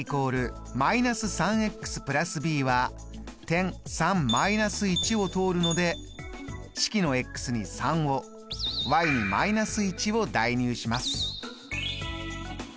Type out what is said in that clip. ｙ＝−３＋ｂは点を通るので式のに３をｙに−１を代入します。